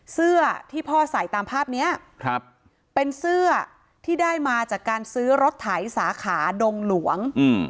เสื้อที่พ่อใส่ตามภาพเนี้ยครับเป็นเสื้อที่ได้มาจากการซื้อรถไถสาขาดงหลวง